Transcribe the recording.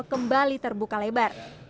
kembali terbuka lebar